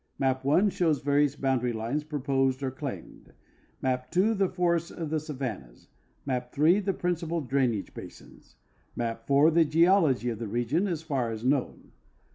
INIap 1 shows various boundarv lines proj^osed or claimed, map 2 the forests and savannas, map 3 the principal drainage basins, and map 4 the geology of the region as far as known.